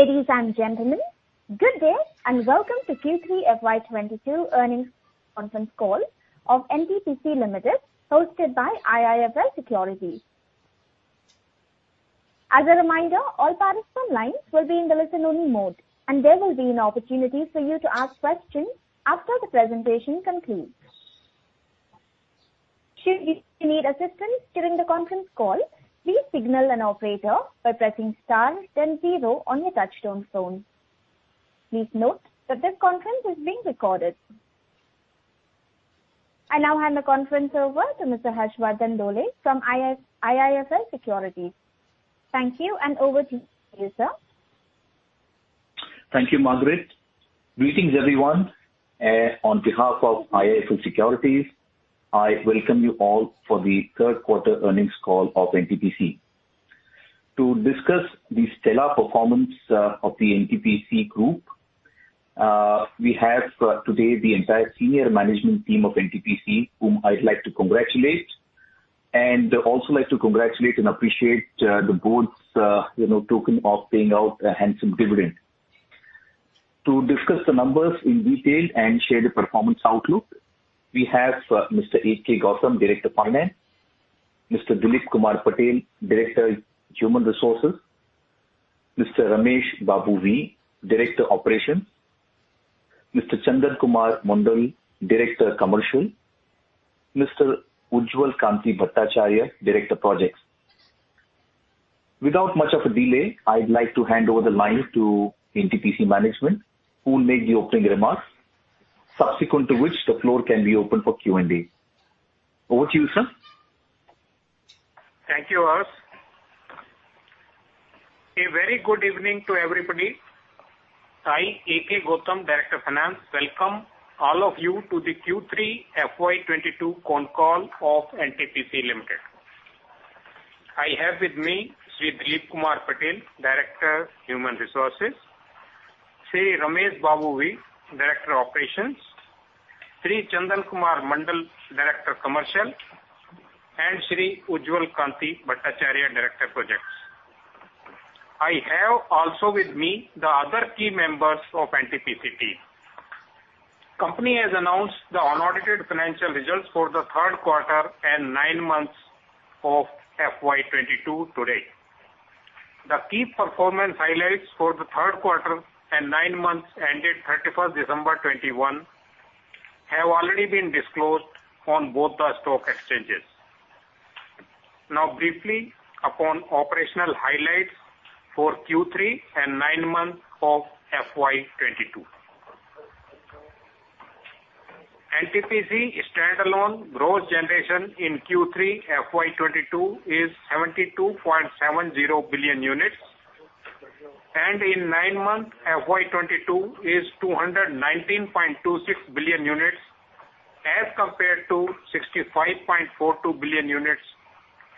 Ladies and gentlemen, good day, and welcome to Q3 FY 2022 earnings conference call of NTPC Limited, hosted by IIFL Securities. As a reminder, all participants' lines will be in the listen-only mode, and there will be an opportunity for you to ask questions after the presentation concludes. Should you need assistance during the conference call, please signal an operator by pressing star then zero on your touch-tone phone. Please note that this conference is being recorded. I now hand the conference over to Mr. Harshvardhan Dole from IIFL Securities. Thank you and over to you, sir. Thank you, Margaret. Greetings, everyone. On behalf of IIFL Securities, I welcome you all for the third quarter earnings call of NTPC. To discuss the stellar performance of the NTPC group, we have today the entire senior management team of NTPC, whom I'd like to congratulate. Also like to congratulate and appreciate the board's, you know, token of paying out a handsome dividend. To discuss the numbers in detail and share the performance outlook, we have Mr. A.K. Gautam, Director Finance, Mr. Dilip Kumar Patel, Director Human Resources, Mr. Ramesh Babu V, Director Operations, Mr. Chandan Kumar Mondol, Director Commercial, Mr. Ujjwal Kanti Bhattacharya, Director Projects. Without much of a delay, I'd like to hand over the line to NTPC management who will make the opening remarks, subsequent to which the floor can be opened for Q&A. Over to you, sir. Thank you, Harsh. A very good evening to everybody. I, A.K. Gautam, Director (Finance), welcome all of you to the Q3 FY 2022 con call of NTPC Limited. I have with me Sri Dilip Kumar Patel, Director (Human Resources), Sri Ramesh Babu V, Director (Operations), Sri Chandan Kumar Mondol, Director (Commercial), and Sri Ujjwal Kanti Bhattacharya, Director (Projects). I have also with me the other key members of NTPC team. Company has announced the unaudited financial results for the third quarter and nine months of FY 2022 today. The key performance highlights for the third quarter and nine months ended December 31, 2021 have already been disclosed on both the stock exchanges. Now briefly upon operational highlights for Q3 and nine months of FY 2022. NTPC standalone gross generation in Q3 FY 2022 is 72.70 billion units, and in nine-month FY 2022 is 219.26 billion units as compared to 65.42 billion units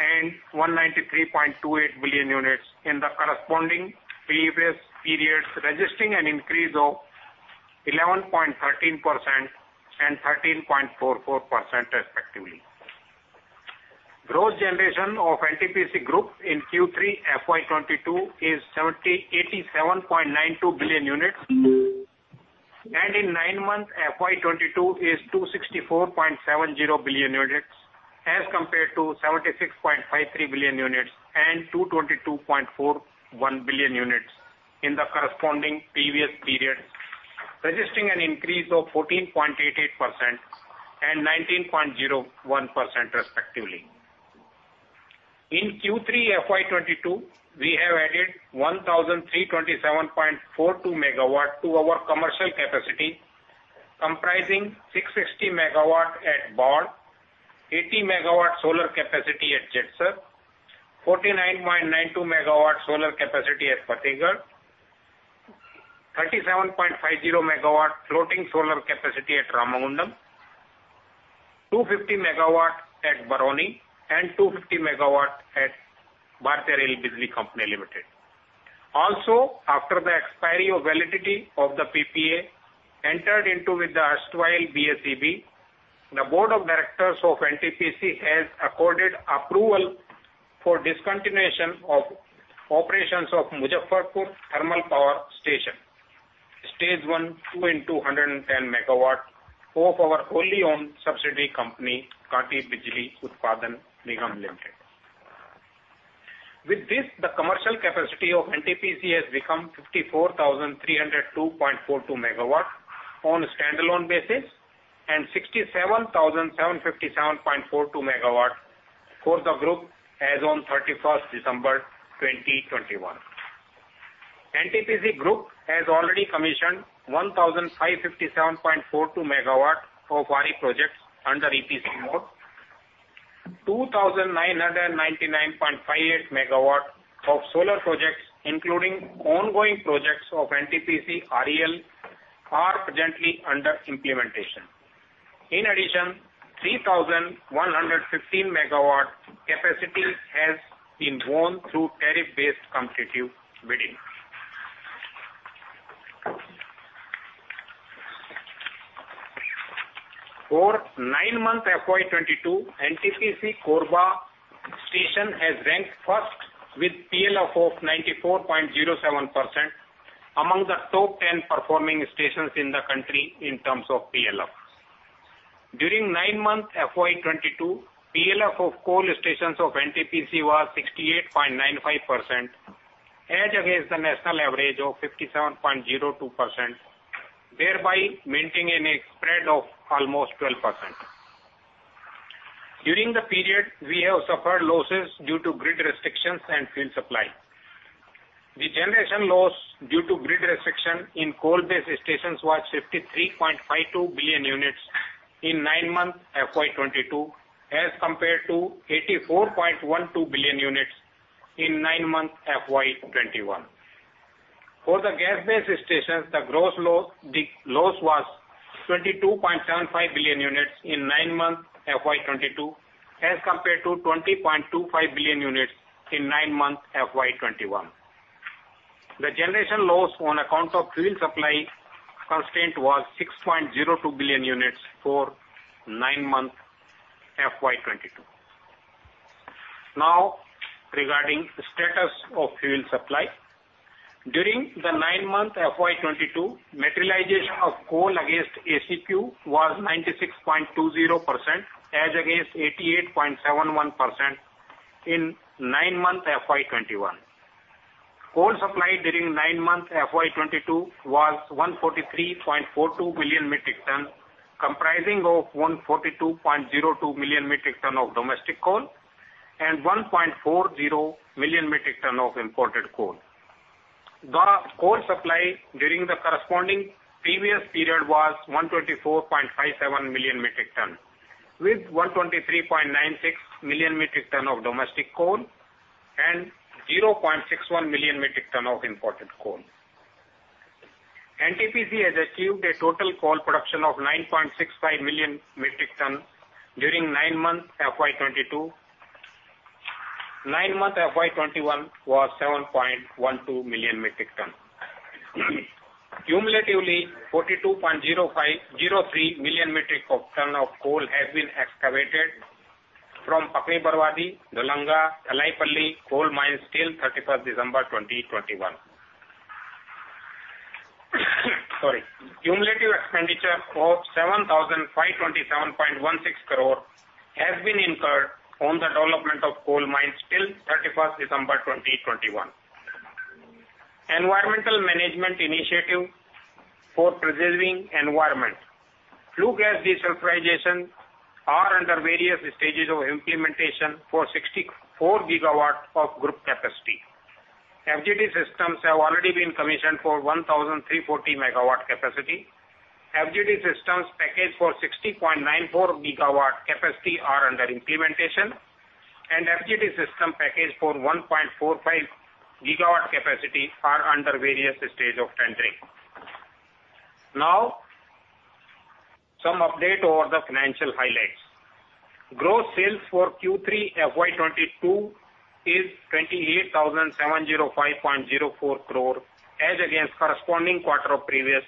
and 193.28 billion units in the corresponding previous periods, registering an increase of 11.13% and 13.44% respectively. Gross generation of NTPC Group in Q3 FY 2022 is eighty-seven point nine two billion units, and in nine-month FY 2022 is 264.70 billion units as compared to 76.53 billion units and 222.41 billion units in the corresponding previous period, registering an increase of 14.88% and 19.01% respectively. In Q3 FY 2022, we have added 1,327.42 MW to our commercial capacity, comprising 660 MW at Barh, 80 MW solar capacity at Jaisalmer, 49.92 MW solar capacity at Fatehgarh, 37.50 MW floating solar capacity at Ramagundam, 250 MW at Barauni, and 250 MW at Bhartiya Rail Bijlee Company Limited. After the expiry of validity of the PPA entered into with the erstwhile BSEB, the board of directors of NTPC has accorded approval for discontinuation of operations of Muzaffarpur Thermal Power Station, stage one, 210 MW of our wholly owned subsidiary company, Kanti Bijlee Utpadan Nigam Limited. With this, the commercial capacity of NTPC has become 54,302.42 MW on a standalone basis and 67,757.42 MW for the group as on 31st December 2021. NTPC Group has already commissioned 1,557.42 MW of RE projects under EPC mode. 2,999.58 MW of solar projects, including ongoing projects of NTPC REL, are presently under implementation. In addition, 3,115 MW capacity has been won through tariff-based competitive bidding. For nine-month FY 2022, NTPC Korba station has ranked first with PLF of 94.07% among the top ten performing stations in the country in terms of PLFs. During nine-month FY 2022, PLF of coal stations of NTPC was 68.95% as against the national average of 57.02%, thereby maintaining a spread of almost 12%. During the period, we have suffered losses due to grid restrictions and fuel supply. The generation loss due to grid restriction in coal-based stations was 53.52 billion units in nine-month FY 2022 as compared to 84.12 billion units in nine-month FY 2021. For the gas-based stations, the gross loss, the loss was 22.75 billion units in nine-month FY 2022 as compared to 20.25 billion units in nine-month FY 2021. The generation loss on account of fuel supply constraint was 6.02 billion units for nine-month FY 2022. Now, regarding status of fuel supply. During the nine-month FY 2022, materialization of coal against ACQ was 96.20% as against 88.71% in nine-month FY 2021. Coal supply during nine-month FY 2022 was 143.42 million metric tons, comprising of 142.02 million metric tons of domestic coal and 1.40 million metric tons of imported coal. The coal supply during the corresponding previous period was 124.57 million metric tons, with 123.96 million metric tons of domestic coal and 0.61 million metric tons of imported coal. NTPC has achieved a total coal production of 9.65 million metric tons during nine-month FY 2022. Nine-month FY 2021 was 7.12 million metric tons. Cumulatively, 42.053 million metric tons of coal has been excavated from Pakri-Barwadih, Dulanga, Talaipalli coal mines till 31st December 2021. Cumulative expenditure of 7,527.16 crore has been incurred on the development of coal mines till 31st December 2021. Environmental management initiative for preserving environment. Flue-gas desulfurization are under various stages of implementation for 64 GW of group capacity. FGD systems have already been commissioned for 1,340 MW capacity. FGD systems package for 60.94 GW capacity are under implementation, and FGD system package for 1.45 GW capacity are under various stage of tendering. Now, some update over the financial highlights. Gross sales for Q3 FY 2022 is 28,705.04 crore as against corresponding quarter of previous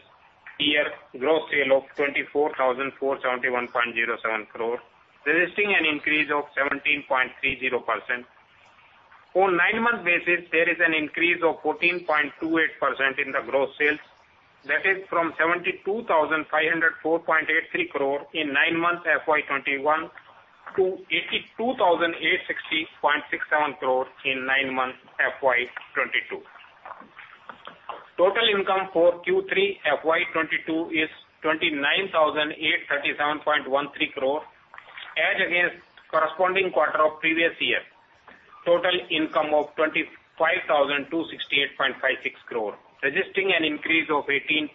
year gross sales of 24,471.07 crore, registering an increase of 17.30%. On nine-month basis, there is an increase of 14.28% in the gross sales. That is from 72,504.83 crore in nine-month FY 2021 to 82,860.67 crore in nine-month FY 2022. Total income for Q3 FY 2022 is 29,837.13 crore as against corresponding quarter of previous year total income of 25,268.56 crore, registering an increase of 18.08%.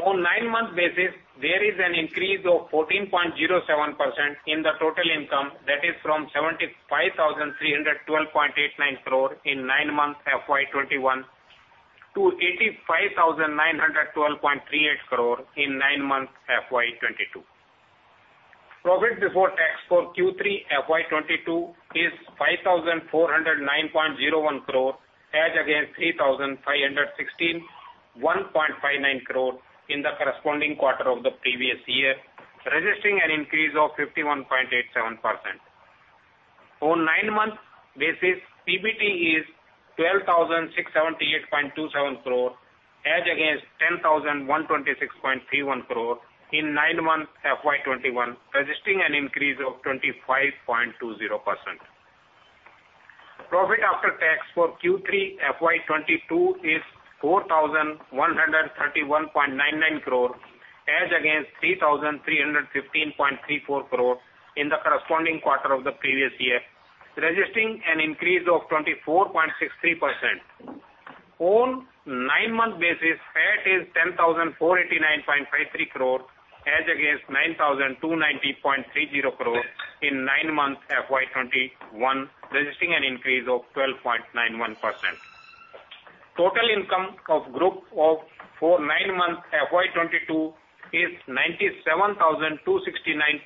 On nine-month basis, there is an increase of 14.07% in the total income that is from 75,312.89 crore in nine-month FY 2021 to INR 85,912.38 crore in nine-month FY 2022. Profit before tax for Q3 FY 2022 is 5,409.01 crore as against 3,516.59 crore in the corresponding quarter of the previous year, registering an increase of 51.87%. On nine-month basis, PBT is 12,678.27 crore as against 10,126.31 crore in nine-month FY 2021, registering an increase of 25.20%. Profit after tax for Q3 FY 2022 is 4,131.99 crore as against 3,315.34 crore in the corresponding quarter of the previous year, registering an increase of 24.63%. On nine-month basis, PAT is 10,489.53 crore as against 9,290.30 crore in nine-month FY 2021, registering an increase of 12.91%. Total income of group for nine-month FY 2022 is 97,269.89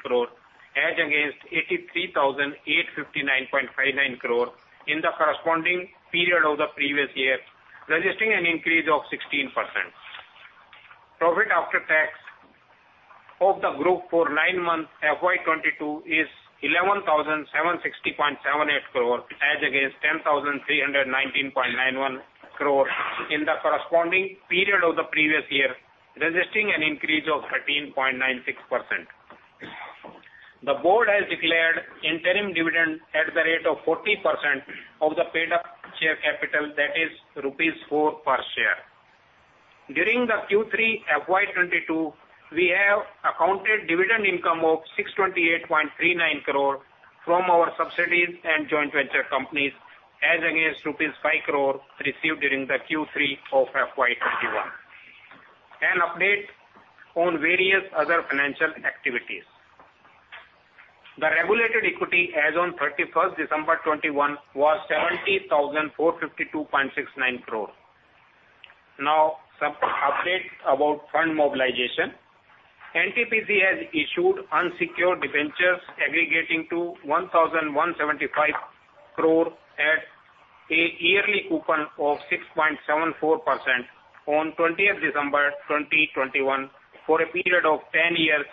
crore as against 83,859.59 crore in the corresponding period of the previous year, registering an increase of 16%. Profit after tax of the group for nine months FY 2022 is 11,760.78 crore as against 10,319.91 crore in the corresponding period of the previous year, registering an increase of 13.96%. The board has declared interim dividend at the rate of 40% of the paid-up share capital, that is rupees 4 per share. During the Q3 FY 2022, we have accounted dividend income of 628.39 crore from our subsidiaries and joint venture companies as against rupees 5 crore received during the Q3 of FY 2021. An update on various other financial activities. The regulated equity as on December 31, 2021 was INR 70,452.69 crore. Now some updates about fund mobilization. NTPC has issued unsecured debentures aggregating to 1,075 crore at a yearly coupon of 6.74% on 20th December 2021 for a period of 10 years,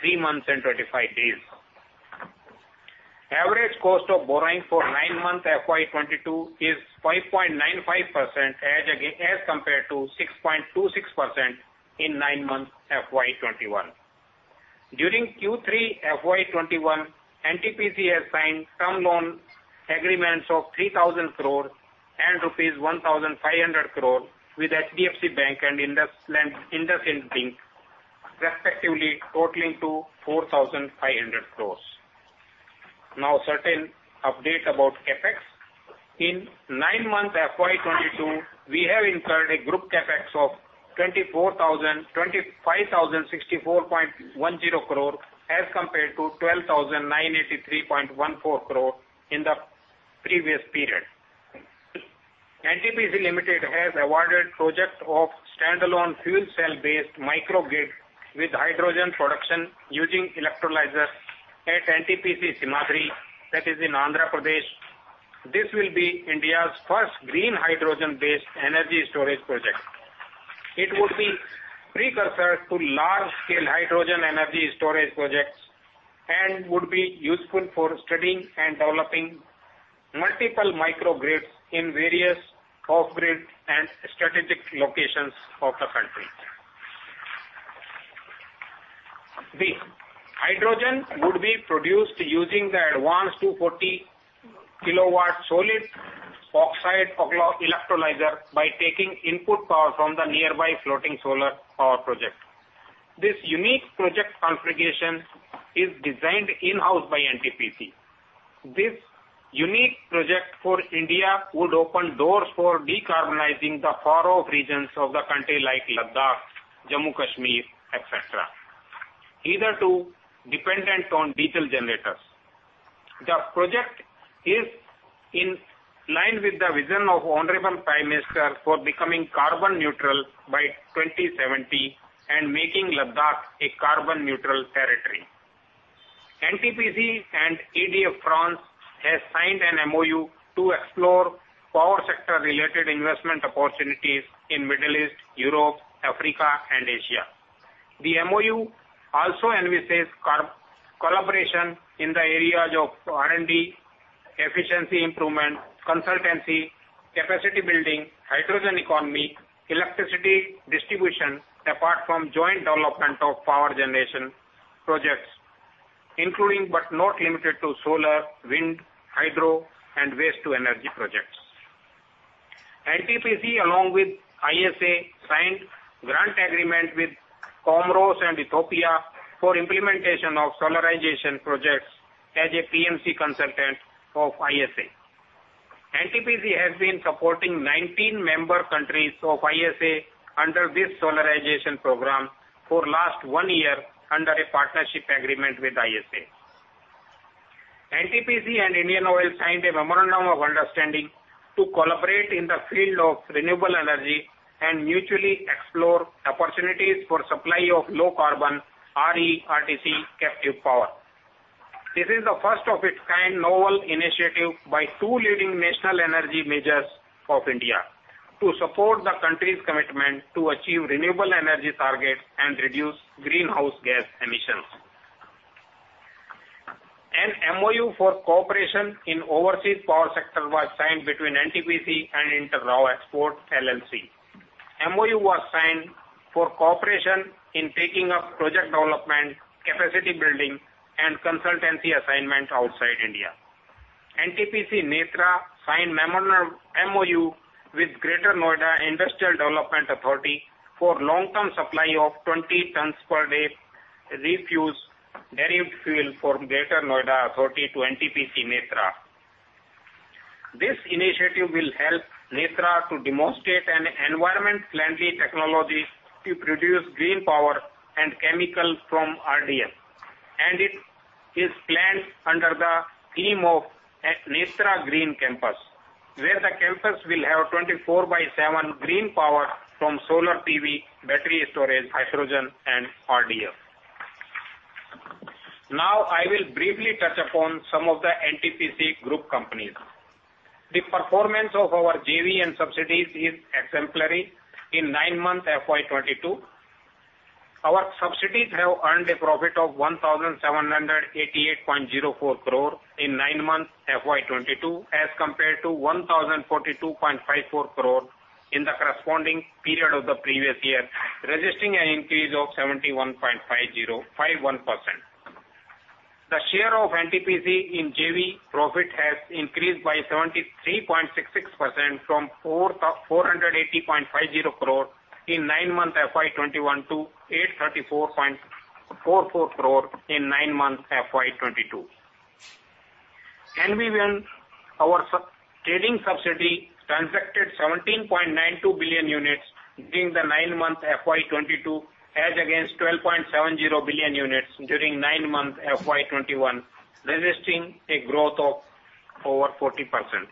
three months and 25 days. Average cost of borrowing for nine months FY 2022 is 5.95% as compared to 6.26% in nine months FY 2021. During Q3 FY 2021, NTPC has signed term loan agreements of 3,000 crore and rupees 1,500 crore with HDFC Bank and IndusInd Bank, respectively, totaling to 4,500 crore. Now certain update about CapEx. In nine months FY 2022, we have incurred a group CapEx of 25,064.10 crore as compared to 12,983.14 crore in the previous period. NTPC Limited has awarded project of standalone fuel cell based microgrid with hydrogen production using electrolyzers at NTPC Simhadri that is in Andhra Pradesh. This will be India's first green hydrogen based energy storage project. It would be precursor to large scale hydrogen energy storage projects and would be useful for studying and developing multiple microgrids in various off-grid and strategic locations of the country. The hydrogen would be produced using the advanced 240 kW solid oxide electrolyzer by taking input power from the nearby floating solar power project. This unique project configuration is designed in-house by NTPC. This unique project for India would open doors for decarbonizing the far-off regions of the country like Ladakh, Jammu Kashmir, et cetera. These are too dependent on diesel generators. The project is in line with the vision of Honorable Prime Minister for becoming carbon neutral by 2070 and making Ladakh a carbon neutral territory. NTPC and EDF, France has signed an MoU to explore power sector related investment opportunities in Middle East, Europe, Africa and Asia. The MoU also envisages collaboration in the areas of R&D, efficiency improvement, consultancy, capacity building, hydrogen economy, electricity distribution, apart from joint development of power generation projects, including but not limited to solar, wind, hydro and waste to energy projects. NTPC along with ISA signed grant agreement with Comoros and Ethiopia for implementation of solarization projects as a PMC consultant of ISA. NTPC has been supporting 19 member countries of ISA under this solarization program for last one year under a partnership agreement with ISA. NTPC and IndianOil signed a memorandum of understanding to collaborate in the field of renewable energy and mutually explore opportunities for supply of low carbon RE RTC captive power. This is the first of its kind novel initiative by two leading national energy majors of India to support the country's commitment to achieve renewable energy targets and reduce greenhouse gas emissions. An MoU for cooperation in overseas power sector was signed between NTPC and Inter RAO Export LLC. MoU was signed for cooperation in taking up project development, capacity building and consultancy assignment outside India. NTPC NETRA signed MoU with Greater Noida Industrial Development Authority for long term supply of 20 tons per day refuse derived fuel from Greater Noida Authority to NTPC NETRA. This initiative will help NTPC NETRA to demonstrate an environment friendly technology to produce green power and chemical from RDF. It is planned under the theme of at NTPC NETRA Green Campus, where the campus will have 24/7 green power from solar PV, battery storage, hydrogen and RDF. Now, I will briefly touch upon some of the NTPC group companies. The performance of our JV and subsidiaries is exemplary. In nine months FY 2022, our subsidiaries have earned a profit of 1,788.04 crore in nine months FY 2022 as compared to 1,042.54 crore in the corresponding period of the previous year, registering an increase of 71.51%. The share of NTPC in JV profit has increased by 73.66% from INR 480.50 crore in nine months FY 2021 to INR 834.44 crore in nine months FY 2022. NVVN, our trading subsidiary transacted 17.92 billion units during the nine months FY 2022 as against 12.7 billion units during nine months FY 2021, registering a growth of over 40%,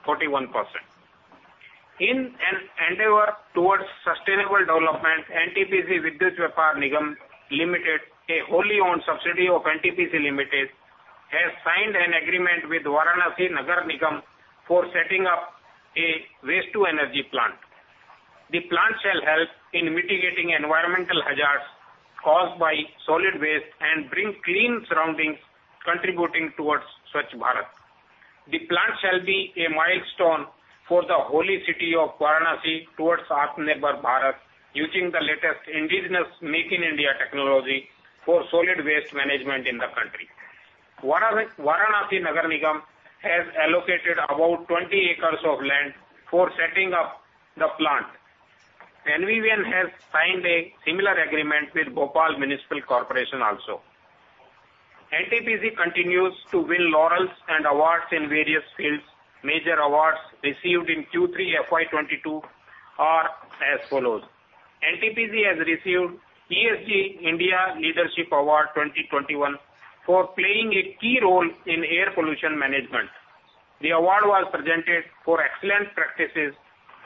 41%. In an endeavor towards sustainable development, NTPC Vidyut Vyapar Nigam Limited, a wholly owned subsidiary of NTPC Limited, has signed an agreement with Varanasi Nagar Nigam for setting up a waste-to-energy plant. The plant shall help in mitigating environmental hazards caused by solid waste and bring clean surroundings contributing towards Swachh Bharat. The plant shall be a milestone for the holy city of Varanasi towards Atmanirbhar Bharat using the latest indigenous Make in India technology for solid waste management in the country. Varanasi Nagar Nigam has allocated about 20 acres of land for setting up the plant. NVVN has signed a similar agreement with Bhopal Municipal Corporation also. NTPC continues to win laurels and awards in various fields. Major awards received in Q3 FY 2022 are as follows. NTPC has received ESG India Leadership Award 2021 for playing a key role in air pollution management. The award was presented for excellent practices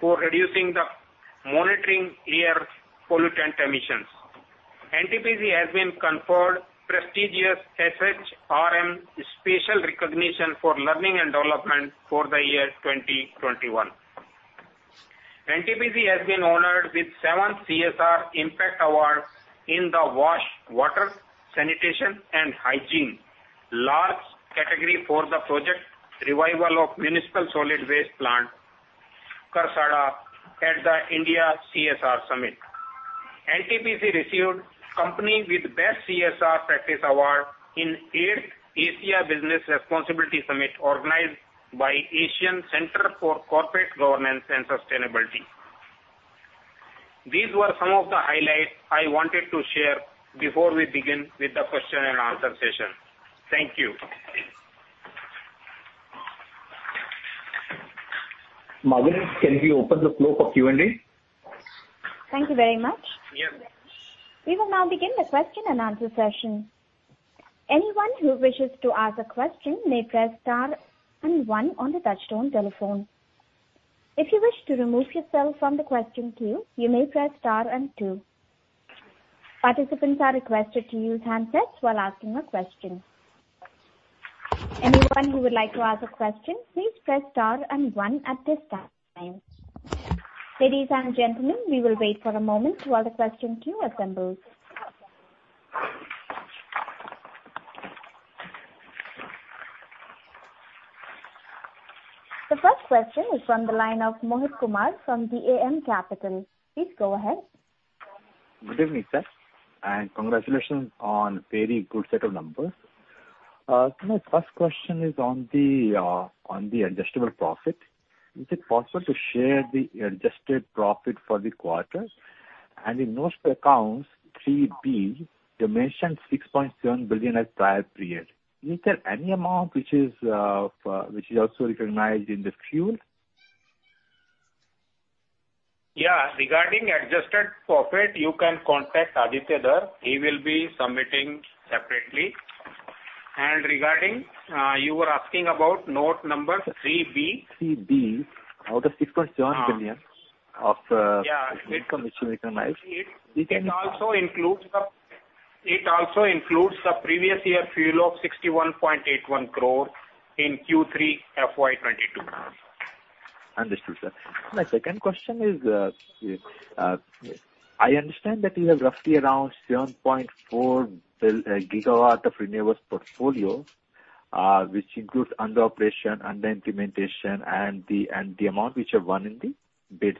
for reducing and monitoring air pollutant emissions. NTPC has been conferred prestigious HRM Special Recognition for Learning and Development for the year 2021. NTPC has been honored with seven CSR Impact Awards in the WASH, Water, Sanitation and Hygiene large category for the project Revival of Municipal Solid Waste Plant Karsada at the India CSR Summit. NTPC received Company with Best CSR Practice Award in eighth Asia Business Responsibility Summit organized by Asian Centre for Corporate Governance & Sustainability. These were some of the highlights I wanted to share before we begin with the question and answer session. Thank you. Margaret, can we open the floor for Q&A? Thank you very much. Yep. We will now begin the question and answer session. Anyone who wishes to ask a question may press star and one on the touchtone telephone. If you wish to remove yourself from the question queue, you may press star and two. Participants are requested to use handsets while asking a question. Anyone who would like to ask a question, please press star and one at this time. Ladies and gentlemen, we will wait for a moment while the question queue assembles. The first question is from the line of Mohit Kumar from DAM Capital. Please go ahead. Good evening, sir, and congratulations on very good set of numbers. My first question is on the adjusted profit. Is it possible to share the adjusted profit for the quarter? In those accounts, 3B, you mentioned 6.7 billion as prior period. Is there any amount which is also recognized in the fuel? Regarding adjusted profit, you can contact Aditya Dar. He will be submitting separately. Regarding, you were asking about note number 3B. 3B out of INR 6.7 billion. Uh. of the income which you recognized. Yeah. It also includes the previous year fuel of 61.81 crore in Q3 FY 2022. Understood, sir. My second question is, I understand that you have roughly around 7.4 GW of renewables portfolio, which includes under operation, under implementation and the amount which you won in the bids.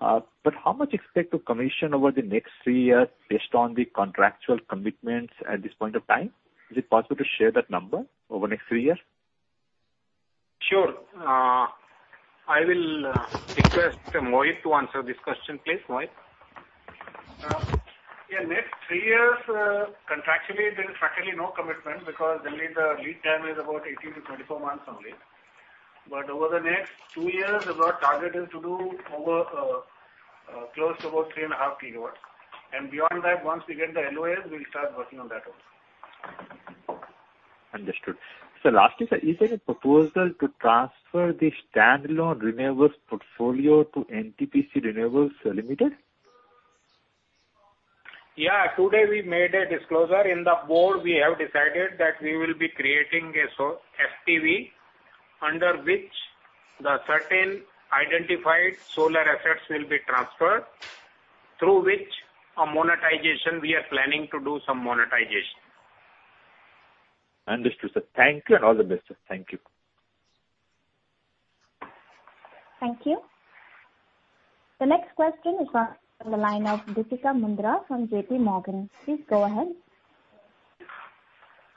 How much you expect to commission over the next three years based on the contractual commitments at this point of time? Is it possible to share that number over next three years? Sure. I will request Mohit to answer this question, please. Mohit. Next three years, contractually there is practically no commitment because generally the lead time is about 18-24 months only. Over the next two years, our target is to do over close to about 3.5 GW. Beyond that, once we get the LoS, we'll start working on that also. Understood. Lastly, sir, is there a proposal to transfer the standalone renewables portfolio to NTPC Renewable Energy Limited? Yeah, today we made a disclosure. In the board, we have decided that we will be creating a SPV, under which the certain identified solar assets will be transferred, through which a monetization we are planning to do some monetization. Understood, sir. Thank you and all the best, sir. Thank you. Thank you. The next question is from the line of Deepika Mundra from JPMorgan. Please go ahead.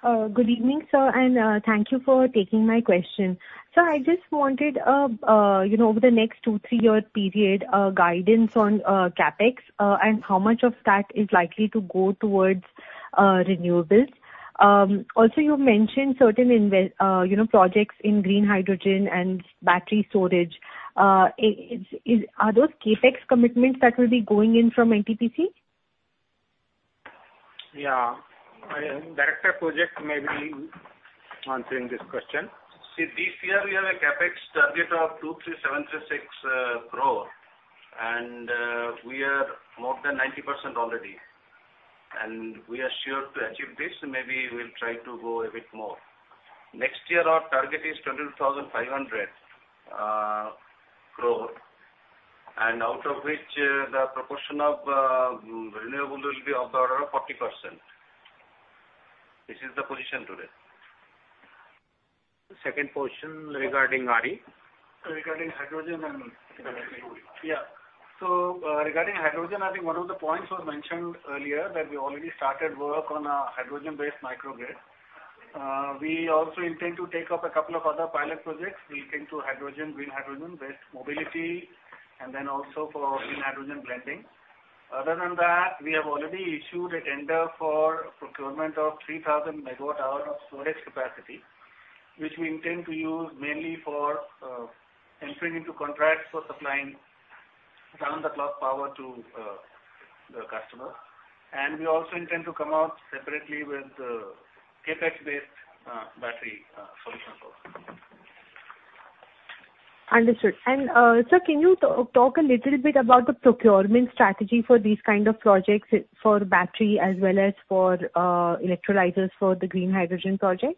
Good evening, sir, and thank you for taking my question. Sir, I just wanted you know, over the next two-three year period, guidance on CapEx and how much of that is likely to go towards renewables. Also, you mentioned certain projects in green hydrogen and battery storage. Are those CapEx commitments that will be going in from NTPC? Yeah. Director Projects may be answering this question. See, this year we have a CapEx target of 2,373.6 crore. We are more than 90% already. We are sure to achieve this. Maybe we'll try to go a bit more. Next year, our target is 22,500 crore, and out of which, the proportion of renewable will be of the order of 40%. This is the position today. Second question regarding RE. Regarding hydrogen, I think one of the points was mentioned earlier that we already started work on a hydrogen-based microgrid. We also intend to take up a couple of other pilot projects relating to hydrogen, green hydrogen-based mobility, and then also for green hydrogen blending. Other than that, we have already issued a tender for procurement of 3,000 MWh of storage capacity, which we intend to use mainly for entering into contracts for supplying round-the-clock power to the customer. We also intend to come out separately with CapEx-based battery solution as well. Understood. Sir, can you talk a little bit about the procurement strategy for these kind of projects, for battery as well as for electrolyzers for the green hydrogen project?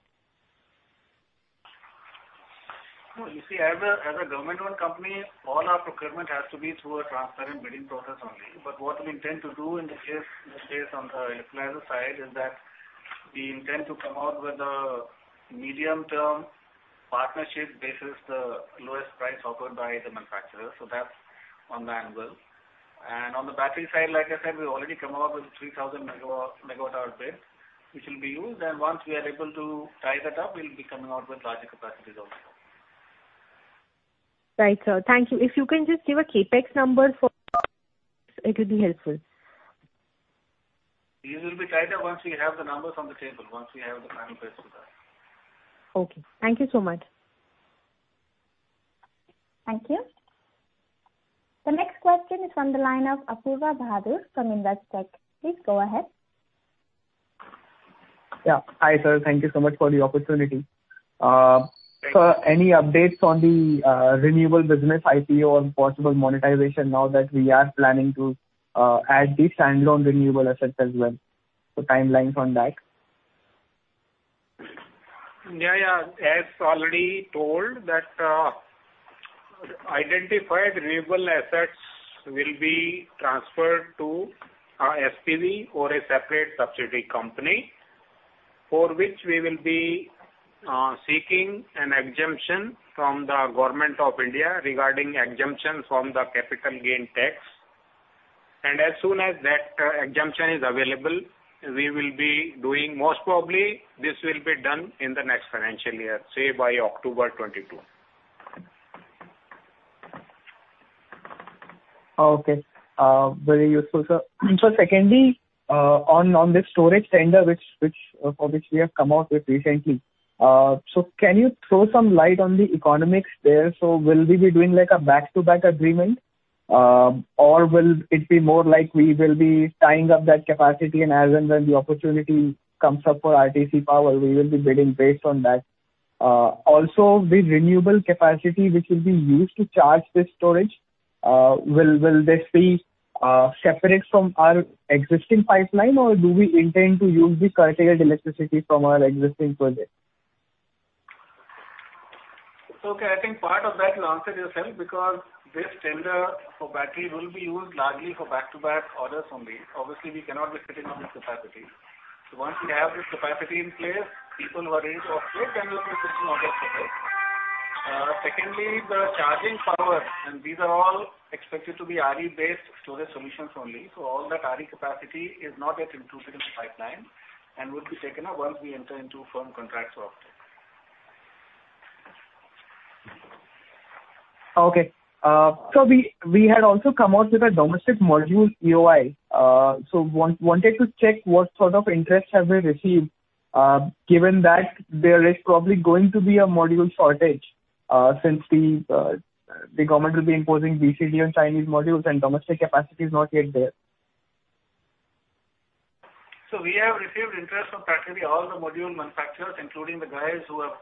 No, you see, as a government-run company, all our procurement has to be through a transparent bidding process only. What we intend to do in this case, on the electrolyzer side is that we intend to come out with a medium-term partnership basis, the lowest price offered by the manufacturer, so that's on that angle. On the battery side, like I said, we've already come out with 3,000 MWh bid, which will be used. Once we are able to tie that up, we'll be coming out with larger capacities also. Right, sir. Thank you. If you can just give a CapEx number for it would be helpful. We will be tied up once we have the numbers on the table, once we have the final best bid. Okay. Thank you so much. Thank you. The next question is from the line of Apoorva Bahadur from IndusInd. Please go ahead. Yeah. Hi, sir. Thank you so much for the opportunity. Thanks. Sir, any updates on the renewable business IPO or possible monetization now that we are planning to add the standalone renewable assets as well? So timelines on that. Yeah, yeah. As already told that identified renewable assets will be transferred to our SPV or a separate subsidiary company, for which we will be seeking an exemption from the Government of India regarding exemption from the capital gains tax. As soon as that exemption is available, we will be doing most probably this in the next financial year, say by October 2022. Okay. Very useful, sir. Secondly, on this storage tender for which we have come out with recently, can you throw some light on the economics there? Will we be doing like a back-to-back agreement, or will it be more like we will be tying up that capacity and as and when the opportunity comes up for RTC Power, we will be bidding based on that. Also the renewable capacity which will be used to charge this storage, will this be separate from our existing pipeline, or do we intend to use the curtailed electricity from our existing project? Okay, I think part of that you answered yourself because this tender for battery will be used largely for back-to-back orders only. Obviously, we cannot be sitting on this capacity. Once we have this capacity in place, people who are interested can look at this and order for it. Secondly, the charging power, and these are all expected to be RE-based storage solutions only. All that RE capacity is not yet included in the pipeline and would be taken up once we enter into firm contracts offtake. Okay. We had also come out with a domestic module EOI. We wanted to check what sort of interest have they received, given that there is probably going to be a module shortage, since the government will be imposing BCD on Chinese modules and domestic capacity is not yet there. We have received interest from practically all the module manufacturers, including the guys who have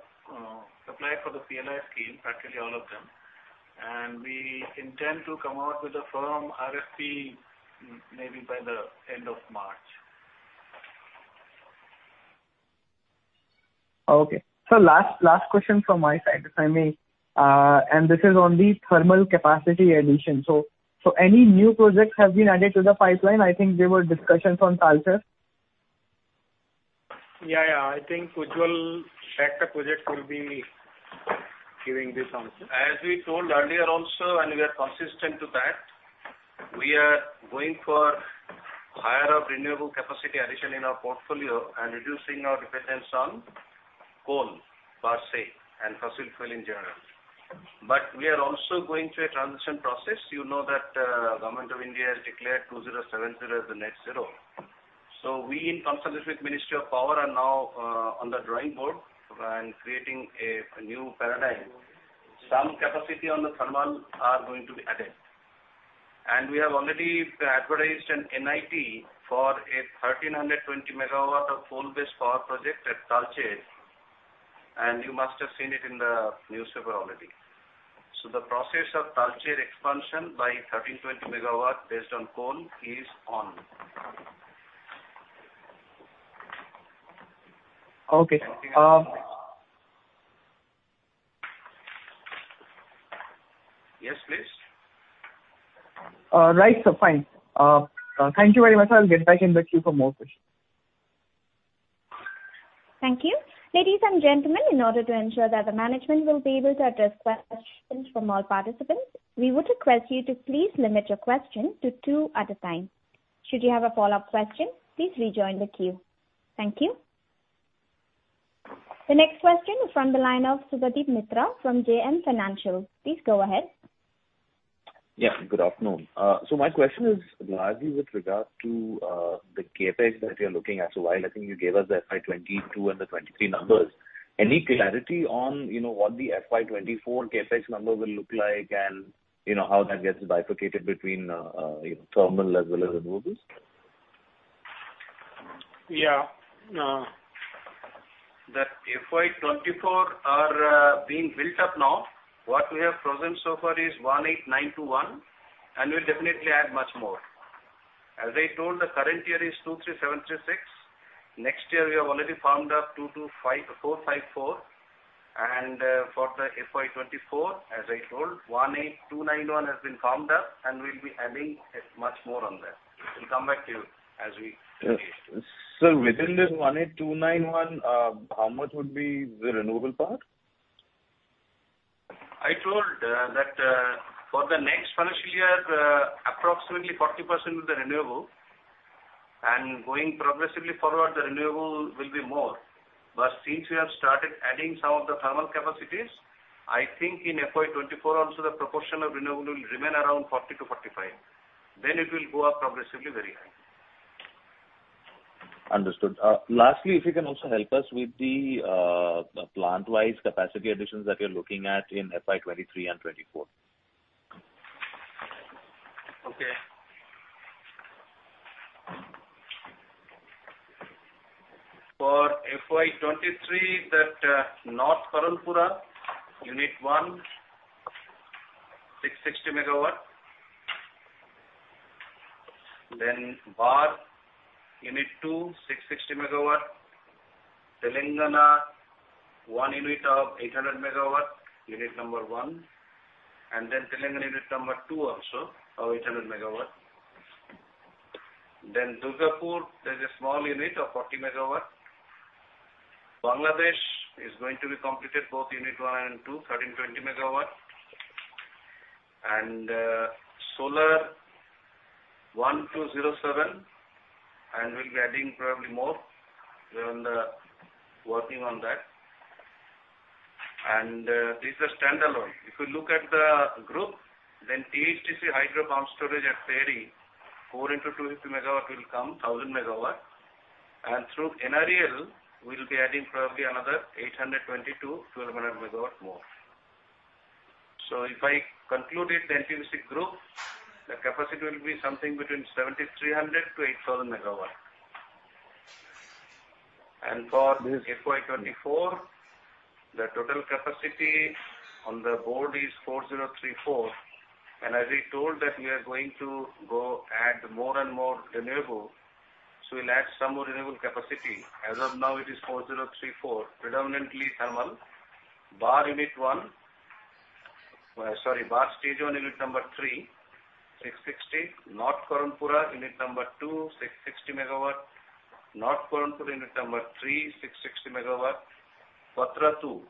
applied for the PLI scheme, practically all of them. We intend to come out with a firm RFP maybe by the end of March. Okay. Last question from my side, if I may. This is on the thermal capacity addition. Any new projects have been added to the pipeline? I think there were discussions on Talcher. Yeah, yeah. I think Ujjwal Kanti Bhattacharya will be giving this answer. As we told earlier also, we are consistent to that. We are going for higher renewable capacity addition in our portfolio and reducing our dependence on coal per se and fossil fuel in general. We are also going through a transition process. You know that, Government of India has declared 2070 as the net zero. We in consultation with Ministry of Power are now on the drawing board and creating a new paradigm. Some capacity on the thermal are going to be added. We have already advertised an NIT for a 1,320 MW coal-based power project at Talcher, and you must have seen it in the newspaper already. The process of Talcher expansion by 1,320 MW based on coal is on. Okay. Yes, please. Thank you very much. I'll get back in the queue for more questions. Thank you. Ladies and gentlemen, in order to ensure that the management will be able to address questions from all participants, we would request you to please limit your question to two at a time. Should you have a follow-up question, please rejoin the queue. Thank you. The next question is from the line of Subhadip Mitra from JM Financial. Please go ahead. Yeah, good afternoon. My question is largely with regard to the CapEx that you're looking at. While I think you gave us the FY 2022 and the 2023 numbers, any clarity on, you know, what the FY 2024 CapEx number will look like and, you know, how that gets bifurcated between, you know, thermal as well as renewables? The FY 2024 are being built up now. What we have at present so far is 1,892.1, and we'll definitely add much more. As I told, the current year is 2,373.6. Next year we have already firmed up 2,254.54. For the FY 2024, as I told, 1,829.1 has been firmed up, and we'll be adding much more on that. We'll come back to you as we proceed. Sir, within this 18,291, how much would be the renewable part? I told that for the next financial year approximately 40% will be renewable and going progressively forward the renewable will be more. Since we have started adding some of the thermal capacities I think in FY 2024 also the proportion of renewable will remain around 40%-45%. It will go up progressively very high. Understood. Lastly, if you can also help us with the plant-wise capacity additions that you're looking at in FY 2023 and 2024? Okay. For FY 2023, that, North Karanpura, unit 1, 660 MW. Barh, unit 2, 660 MW. Telangana, one unit of 800 MW, unit number one. Telangana unit number two also of 800 MW. Durgapur, there's a small unit of 40 MW. Bangladesh is going to be completed, both unit one and two, 1,320 MW. Solar 1,207, and we'll be adding probably more. We are working on that. These are standalone. If you look at the group, THDC hydro pumped storage at Tehri, 4 x 250 MW will come 1,000 MW. Through NTPC REL, we'll be adding probably another 820 MW-1,200 MW more. If I conclude it, the NTPC group, the capacity will be something between 7,300 MW-8,000 MW. For- This- FY 2024, the total capacity on the board is 4,034. As I told that we are going to go add more and more renewable, we'll add some more renewable capacity. As of now, it is 4,034, predominantly thermal. Barh stage one, unit number three, 660 MW. North Karanpura, unit number two, 660 MW. North Karanpura, unit number three, 660 MW. Patratu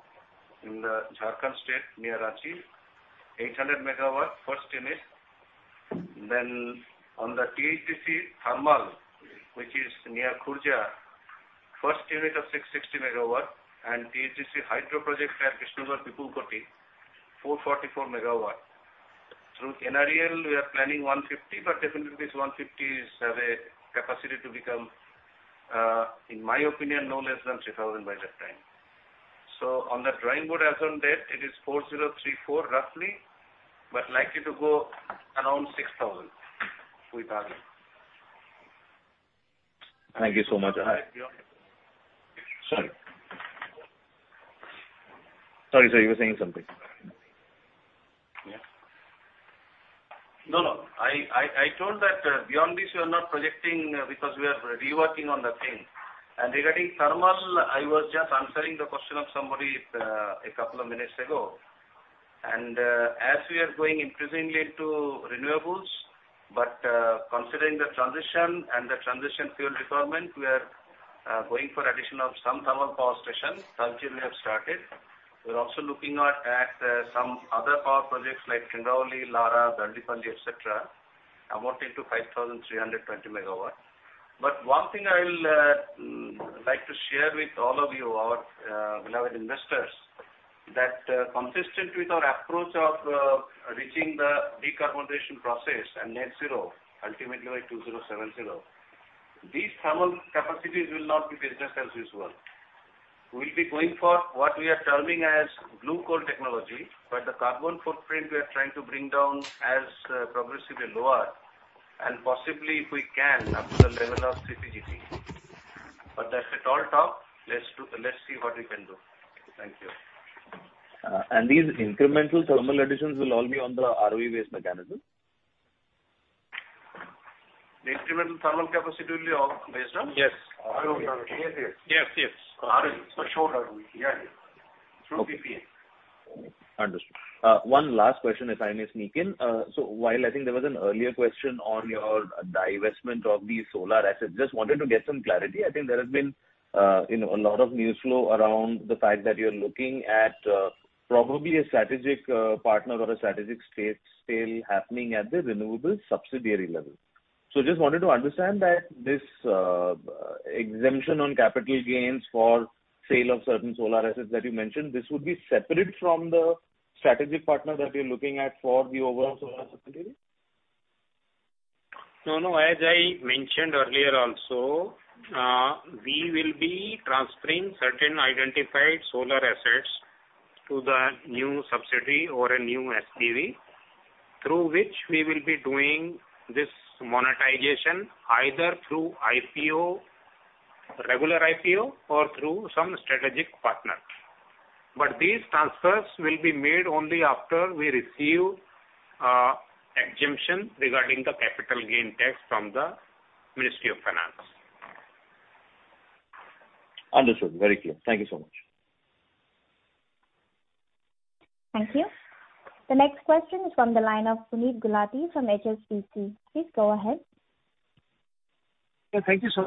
in the Jharkhand state near Ranchi, 800 MW, first unit. On the THDC thermal, which is near Khurja, first unit of 660 MW and THDC hydro project at Vishnugad Pipalkoti, 444 MW. Through NREL, we are planning 150, but definitely this 150s have a capacity to become, in my opinion, no less than 3,000 by that time. On the drawing board as on date, it is 4034 roughly, but likely to go around 6,000 with RE. Thank you so much. Hi. Sorry. Sorry, you were saying something. Yeah. No, no. I told that beyond this we are not projecting because we are reworking on the thing. Regarding thermal, I was just answering the question of somebody a couple of minutes ago. As we are going increasingly into renewables, but considering the transition and the transition fuel requirement, we are going for addition of some thermal power stations. Talcher we have started. We're also looking at some other power projects like Singrauli, Lara, Darlipali, etc., amounting to 5,300 MW. One thing I will like to share with all of you, our beloved investors, that consistent with our approach of reaching the decarbonization process and net zero ultimately by 2070, these thermal capacities will not be business as usual. We'll be going for what we are terming as Blue Coal technology, where the carbon footprint we are trying to bring down as progressively lower and possibly if we can, up to the level of CCGT. That's a tall talk. Let's see what we can do. Thank you. These incremental thermal additions will all be on the ROE based mechanism? The incremental thermal capacity will be all based on? Yes. ROE. Yes, yes. Yes, yes. ROE. For sure ROE. Yeah, yeah. Through PPA. Understood. One last question, if I may sneak in. While I think there was an earlier question on your divestment of the solar assets, just wanted to get some clarity. I think there has been, you know, a lot of news flow around the fact that you're looking at, probably a strategic partner or a strategic sale happening at the renewables subsidiary level. Just wanted to understand that this exemption on capital gains for sale of certain solar assets that you mentioned, this would be separate from the strategic partner that you're looking at for the overall solar subsidiary? No, no. As I mentioned earlier also, we will be transferring certain identified solar assets to the new subsidiary or a new SPV, through which we will be doing this monetization either through IPO, regular IPO, or through some strategic partner. These transfers will be made only after we receive exemption regarding the capital gain tax from the Ministry of Finance. Understood. Very clear. Thank you so much. Thank you. The next question is from the line of Puneet Gulati from HSBC. Please go ahead. Yeah, thank you, sir.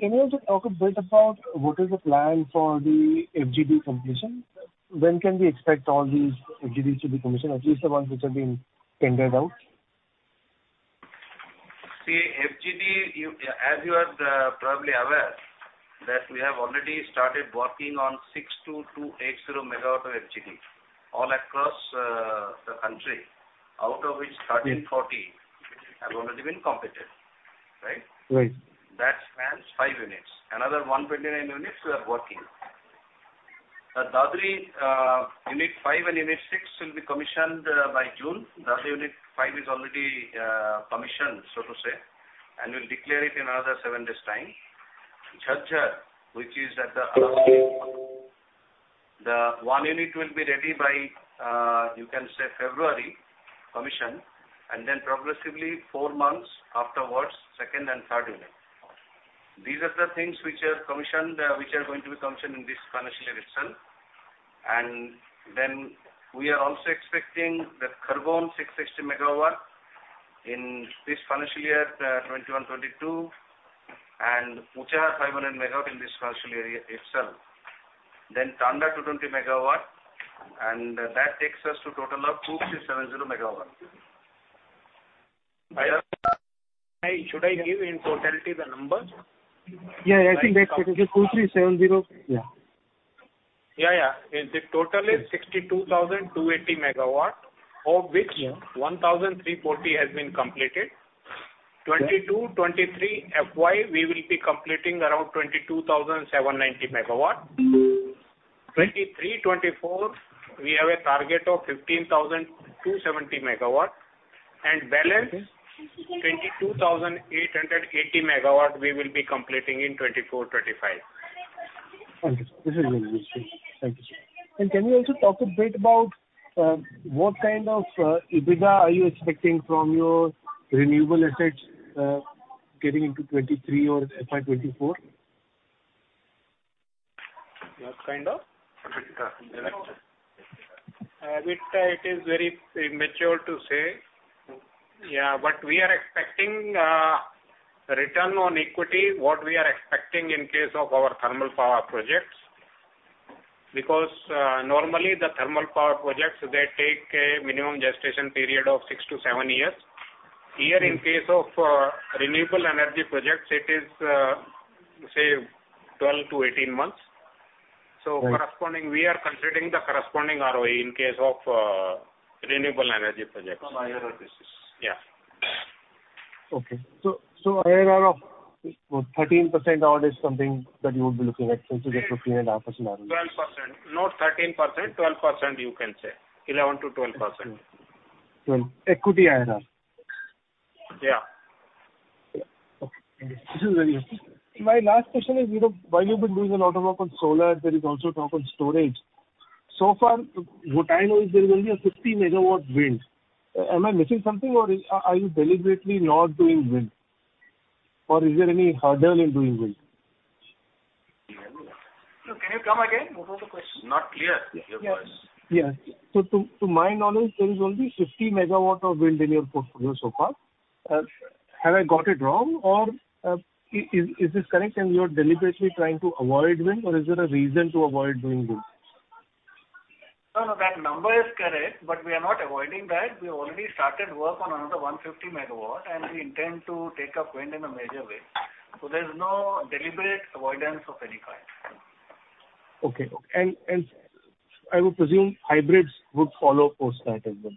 Can you also talk a bit about what is the plan for the FGD completion? When can we expect all these FGDs to be commissioned, at least the ones which have been tendered out? See, FGD, you as you are probably aware that we have already started working on 6,280 MW of FGD all across the country, out of which 1,340 have already been completed. Right? Right. That spans five units. Another 129 units we are working. The Dadri unit five and unit six will be commissioned by June. Dadri unit five is already commissioned, so to say, and we'll declare it in another seven days' time. Jhajjar, the one unit will be ready by, you can say, February commission. Progressively four months afterwards, second and third unit. These are the things which are going to be commissioned in this financial year itself. We are also expecting that Khurja 660 MW in this financial year 2021-2022, and Meja 500 MW in this financial year itself. Tanda 220 MW, and that takes us to total of 2,370 MW. By the- Should I give you in totality the numbers? Yeah, yeah. I think that's it. 2370. Yeah. Yeah, yeah. The total is 62,280 MW, of which 1,340 has been completed. FY 2022-203, we will be completing around 22,790 MW. FY 2023-2024, we have a target of 15,270 MW. Balance 22,880 MW we will be completing in FY 2024-2025. Understood. This is very useful. Thank you, sir. Can you also talk a bit about what kind of EBITDA are you expecting from your renewable assets getting into 2023 or FY 2024? What kind of? EBITDA. It is very premature to say. Yeah. We are expecting return on equity, what we are expecting in case of our thermal power projects. Because normally the thermal power projects, they take a minimum gestation period of 6-7 years. Mm-hmm. Here in case of renewable energy projects, it is say 12-18 months. Right. We are considering the corresponding ROE in case of renewable energy projects. On IRR basis. Yeah. Okay. IRR of 13% or there's something that you would be looking at since you get 12.5% ROE? 12%. Not 13%, 12% you can say. 11%-12%. Okay. Equity IRR? Yeah. Okay. This is very useful. My last question is, you know, while you've been doing a lot of work on solar, there is also talk on storage. So far, what I know is there will be a 50 MW wind. Am I missing something or are you deliberately not doing wind? Or is there any hurdle in doing wind? No. Can you come again? What was the question? Not clear, your voice. Yes. Yes. To my knowledge, there is only 50 MW of wind in your portfolio so far. Have I got it wrong or is this correct and you are deliberately trying to avoid wind or is there a reason to avoid doing wind? No, no, that number is correct, but we are not avoiding that. We have already started work on another 150 MW, and we intend to take up wind in a major way. There's no deliberate avoidance of any kind. Okay. I would presume hybrids would follow post that as well.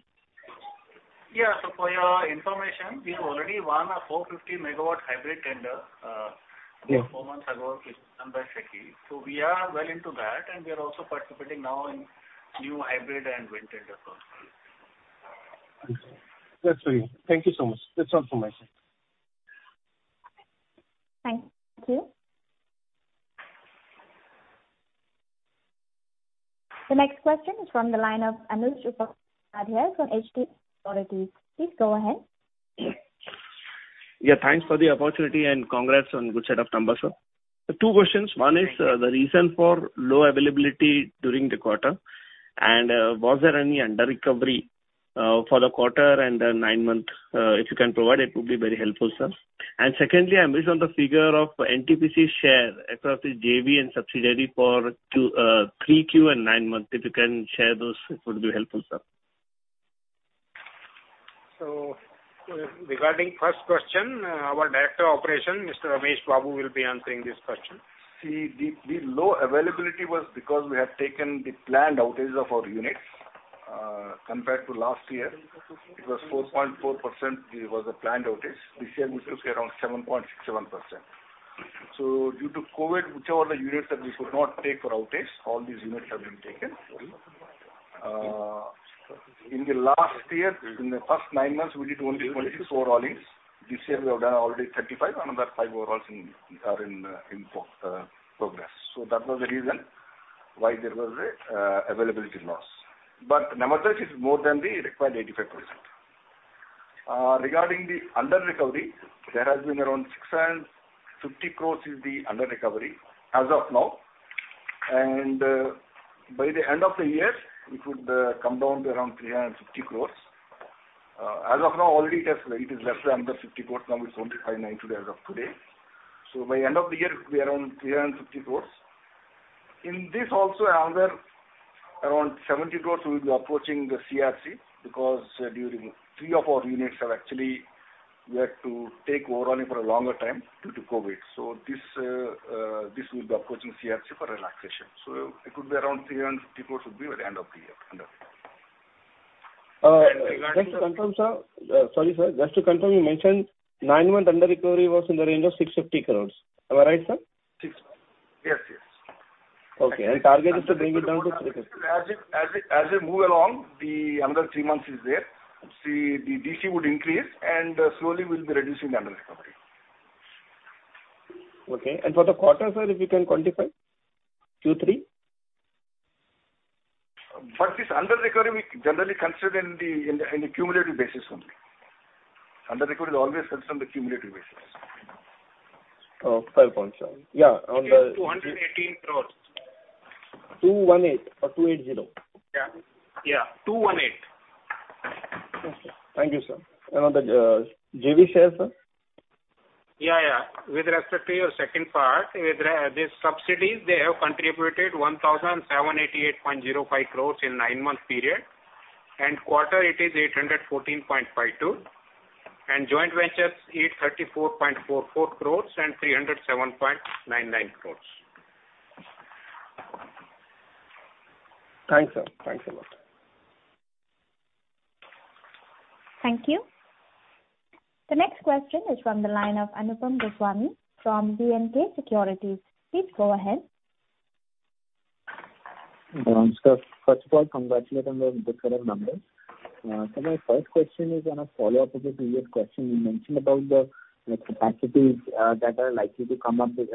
Yeah. For your information, we have already won a 450 MW hybrid tender. Yeah. Four months ago, it's done by SECI. We are well into that, and we are also participating now in new hybrid and wind tender processes. That's very useful. Thank you so much. That's all from my side. Thank you. The next question is from the line of Anuj Upadhyay from HDFC Securities. Please go ahead. Yeah, thanks for the opportunity and congrats on good set of numbers, sir. Two questions. One is the reason for low availability during the quarter, and was there any underrecovery for the quarter and nine month? If you can provide, it would be very helpful, sir. Secondly, I missed on the figure of NTPC share across the JV and subsidiary for Q3 and nine month. If you can share those, it would be helpful, sir. Regarding first question, our Director Operations, Mr. Ramesh Babu V, will be answering this question. See, the low availability was because we have taken the planned outages of our units, compared to last year. It was 4.4%, it was a planned outage. This year it was around 7.67%. Due to COVID, whichever the units that we could not take for outage, all these units have been taken. In the last year, in the first nine months, we did only 24 rollings. This year we have done already 35, another five overhauls are in progress. That was the reason why there was a availability loss. But number itself is more than the required 85%. Regarding the underrecovery, there has been around 650 crores is the underrecovery as of now. By the end of the year, it would come down to around 350 crores. As of now, already it is less than 50 crores. Now, it's only 590 as of today. By end of the year, it will be around 350 crores. In this also another around 70 crores we will be approaching the CERC because three of our units actually had to take overhauling for a longer time due to COVID. This will be approaching CERC for relaxation. It could be around 350 crores at end of the year underrecovery. Sorry, sir. Just to confirm, you mentioned nine-month underrecovery was in the range of 650 crore. Am I right, sir? six. Yes, yes. Okay. Target is to bring it down to 350. As it, as we move along, then another three months is there. See, the DC would increase and slowly we'll be reducing the underrecovery. Okay. For the quarter, sir, if you can quantify Q3? This underrecovery, we generally consider in the cumulative basis only. Underrecovery is always considered the cumulative basis. Oh, fair point, sir. Yeah, on the- 218 crores. 218 or 280? Yeah. Yeah, 218. Okay. Thank you, sir. On the JV share, sir? Yeah, yeah. With respect to your second part, the subsidies, they have contributed 1,788.05 crores in nine-month period. Quarter it is 814.52 crores. Joint ventures, 834.44 crores and 307.99 crores. Thanks, sir. Thanks a lot. Thank you. The next question is from the line of Anupam Goswami from B&K Securities. Please go ahead. Namaskar. First of all, congratulate on the good set of numbers. My first question is on a follow-up of the previous question. You mentioned about the capacities that are likely to come up in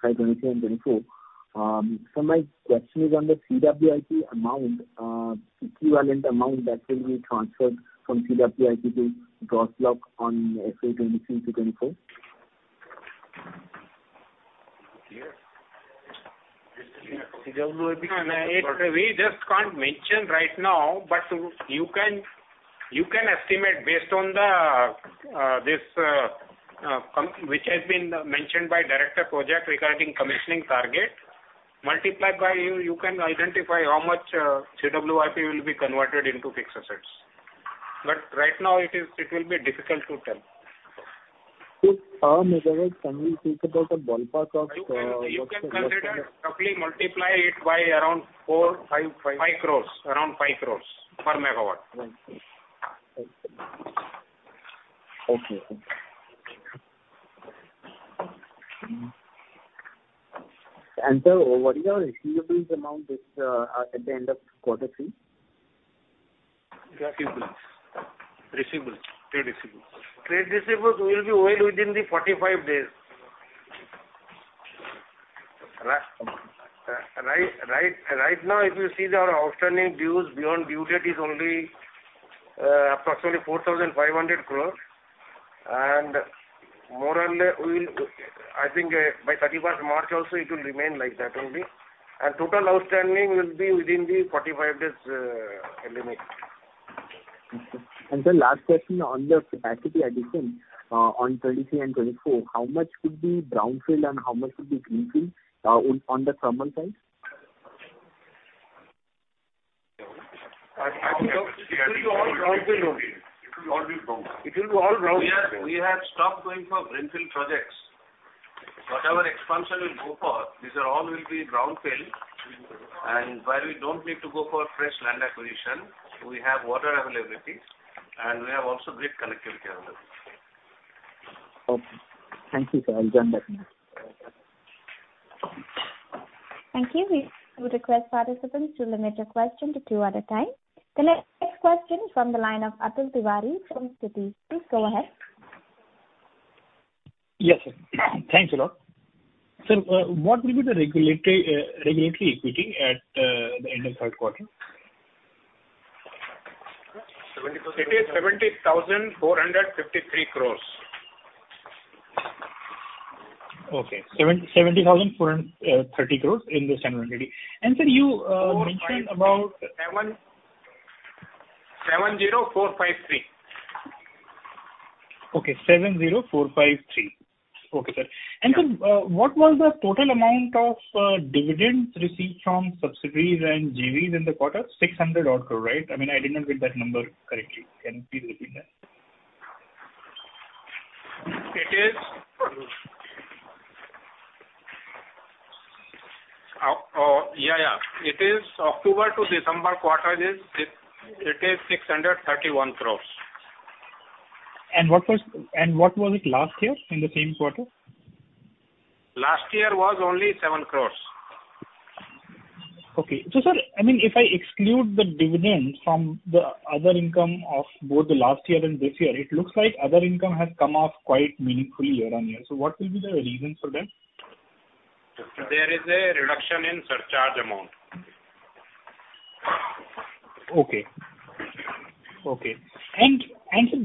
FY 2023 and 2024. My question is on the CWIP amount, equivalent amount that will be transferred from CWIP to gross block on FY 2023 to 2024. Here. We just can't mention right now, but you can. You can estimate based on this, which has been mentioned by Director Projects regarding commissioning target. Multiply by. You can identify how much CWIP will be converted into fixed assets. Right now it will be difficult to tell. 6 MW. Can we think about the ballpark of what's the You can consider roughly multiply it by around 4 crore-5 crore. Around 5 crore per MW. Thank you. Okay. Sir, what is your receivables amount at the end of quarter three? Trade receivables. Trade receivables will be well within the 45 days. Right, right now, if you see our outstanding dues beyond due date is only approximately 4,500 crore. More or less we will, I think, by 31st March also it will remain like that only. Total outstanding will be within the 45 days limit. Okay. The last question on the capacity addition, on 33 and 34, how much could be brownfield and how much could be greenfield, on the thermal side? It will be all brownfield only. It will all be brown. It will be all brownfield. We have stopped going for greenfield projects. Whatever expansion we go for, these are all will be brownfield. Where we don't need to go for fresh land acquisition, we have water availabilities, and we have also grid connectivity available. Okay. Thank you, sir. Done then. Thank you. We would request participants to limit your question to two at a time. The next question is from the line of Atul Tiwari from Citi. Please go ahead. Yes. Thanks a lot. What will be the regulatory equity at the end of third quarter? 70,000- It is 70,453 crores. Okay. 770,430 crore in this. Sir, you mentioned about- 70,453 Okay. 70,453. Okay, sir. Sir, what was the total amount of dividends received from subsidiaries and JVs in the quarter? 600-odd crore, right? I mean, I didn't get that number correctly. Can you please repeat that? It is October to December quarter. It is 631 crore. What was it last year in the same quarter? Last year was only 7 crore. Okay. Sir, I mean, if I exclude the dividend from the other income of both the last year and this year, it looks like other income has come off quite meaningfully year-on-year. What will be the reason for that? There is a reduction in surcharge amount. Sir,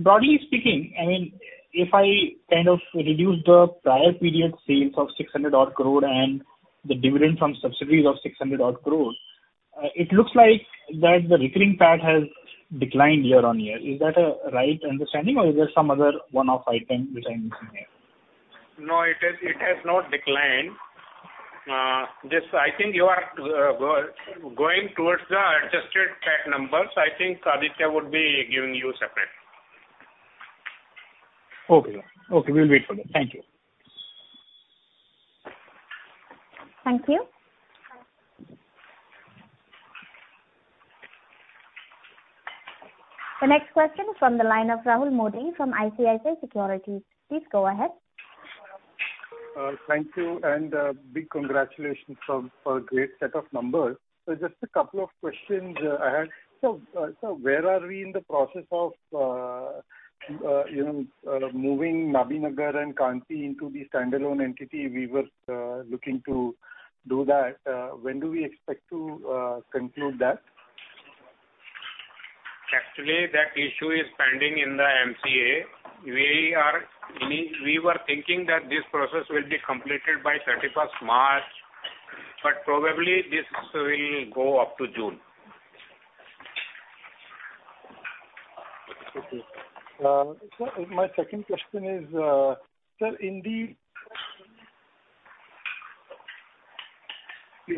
broadly speaking, I mean, if I kind of reduce the prior period sales of 600-odd crore and the dividend from subsidiaries of 600-odd crore, it looks like that the recurring PAT has declined year-over-year. Is that a right understanding or is there some other one-off item which I'm missing here? No, it has not declined. This, I think, you are going towards the adjusted PAT numbers. I think Aditya would be giving you separate. Okay. Okay, we'll wait for that. Thank you. Thank you. The next question is from the line of Rahul Modi from ICICI Securities. Please go ahead. Thank you and big congratulations for a great set of numbers. Just a couple of questions I had. Where are we in the process of you know moving Nabinagar and Kanti into the standalone entity? We were looking to do that. When do we expect to conclude that? Actually, that issue is pending in the MCA. We were thinking that this process will be completed by 31st March, but probably this will go up to June. My second question is, sir, in the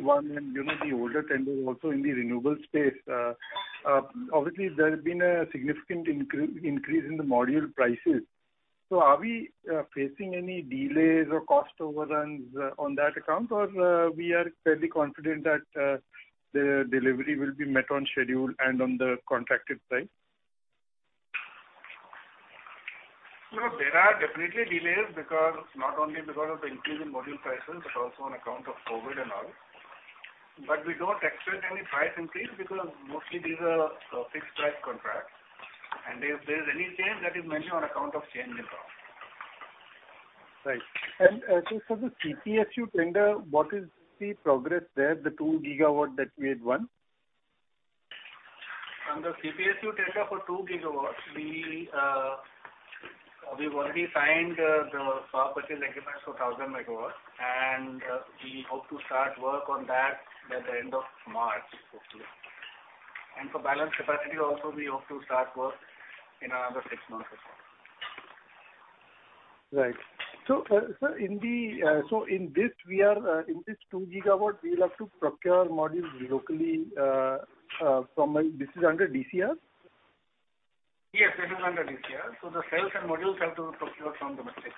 one, you know, the older tender also in the renewable space, obviously there has been a significant increase in the module prices. Are we facing any delays or cost overruns on that account? Or we are fairly confident that the delivery will be met on schedule and on the contracted price? You know, there are definitely delays because, not only because of the increase in module prices, but also on account of COVID and all. We don't expect any price increase because mostly these are fixed price contracts. If there is any change, that is mainly on account of change in law. Right. For the CPSU tender, what is the progress there, the 2 GW that we had won? On the CPSU tender for 2 GW, we've already signed the power purchase agreement for 1,000 MW, and we hope to start work on that by the end of March, hopefully. For balance capacity also we hope to start work in another six months or so. Right. Sir, in this we are in this 2 GW, we'll have to procure modules locally. This is under DCR? Yes, this is under DCR. The cells and modules have to procure from domestic,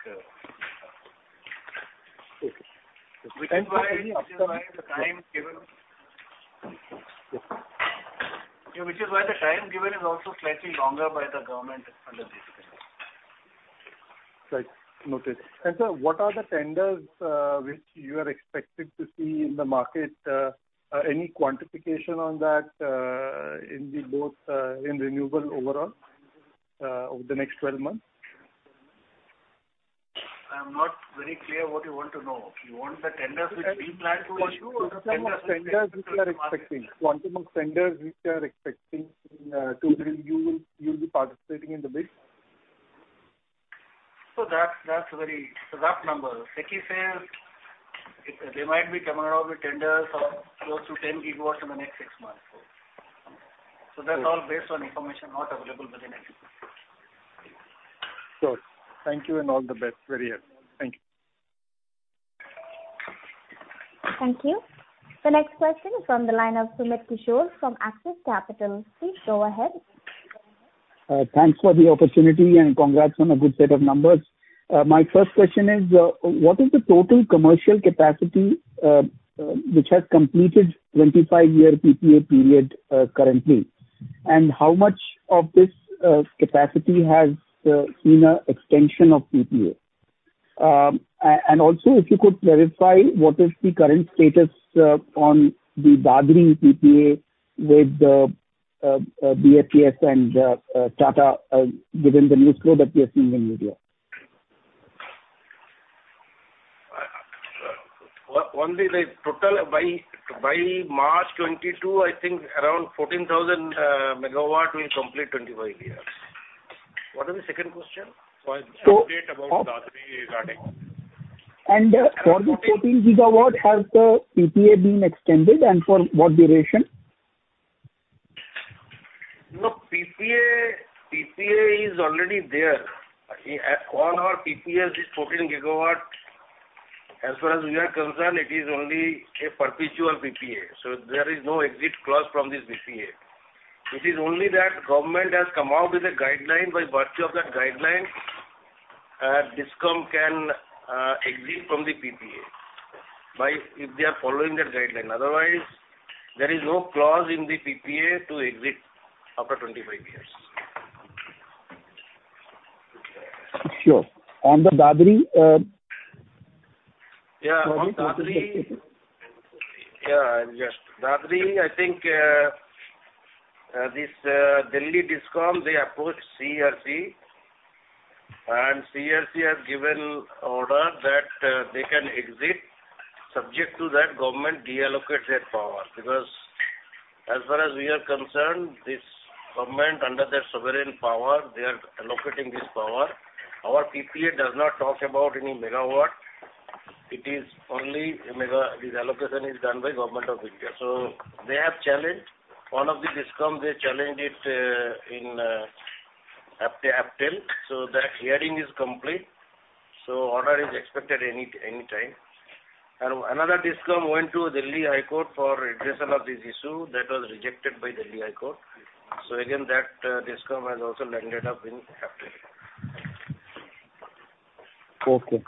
Okay. For any upstream Which is why the time given. Okay. Yeah, which is why the time given is also slightly longer by the government under DCR. Right. Noted. Sir, what are the tenders, which you are expected to see in the market? Any quantification on that, in the both, in renewable overall, over the next 12 months? I'm not very clear what you want to know. You want the tenders which we plan to issue or the tenders which- What among tenders which you are expecting to win? You will be participating in the bid? That's a very rough number. SECI says it, they might be coming out with tenders of close to 10 GW in the next six months. That's all based on information not available with an accuracy. Sure. Thank you and all the best. Very helpful. Thank you. Thank you. The next question is from the line of Sumit Kishore from Axis Capital. Please go ahead. Thanks for the opportunity and congrats on a good set of numbers. My first question is, what is the total commercial capacity which has completed 25-year PPA period currently? How much of this capacity has seen an extension of PPA? Also, if you could clarify what is the current status on the Dadri PPA with BSES and Tata, given the news flow that we have seen in the media. Only the total by March 2022, I think around 14,000 MW will complete 25 years. What was the second question? So- About Dadri regarding. For the 14 GW, has the PPA been extended, and for what duration? Look, PPA. PPA is already there. In all our PPAs is 14 GW. As far as we are concerned, it is only a perpetual PPA, so there is no exit clause from this PPA. It is only that government has come out with a guideline. By virtue of that guideline, DISCOM can exit from the PPA if they are following that guideline. Otherwise, there is no clause in the PPA to exit after 25 years. Sure. On the Dadri, Yeah. On Dadri. Sorry, what was the second question? Yeah, yeah. Dadri, I think, this Delhi DISCOM, they approached CERC, and CERC has given order that they can exit subject to that government reallocated power. Because as far as we are concerned, this government, under their sovereign power, they are allocating this power. Our PPA does not talk about any megawatt. This allocation is done by Government of India. They have challenged. One of the DISCOM, they challenged it in APTEL. That hearing is complete, order is expected anytime. Another DISCOM went to Delhi High Court to address this issue. That was rejected by Delhi High Court. Again, that DISCOM has also landed up in APTEL.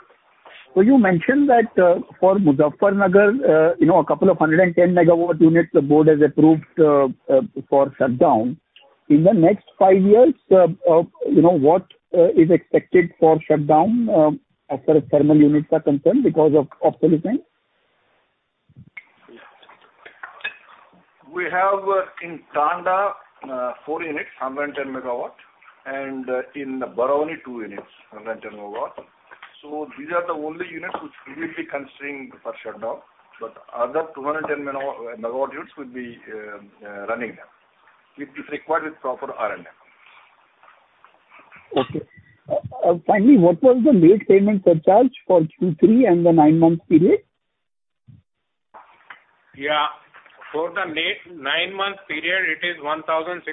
You mentioned that for Muzaffarpur, you know, two 110 MW units the board has approved for shutdown. In the next five years, you know, what is expected for shutdown as far as thermal units are concerned because of pollution? We have in Tanda four units, 110 MW, and in Barauni two units, 110 MW. These are the only units which we will be considering for shutdown, but other 210 MW units will be running if required with proper R&M. Okay. Finally, what was the late payment surcharge for Q3 and the nine-month period? Yeah. For the last nine-month period, it is 1,695